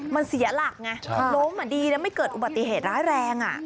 มันเสียหลักไงล้มดีนะไม่เกิดอุบัติเหตุร้ายแรง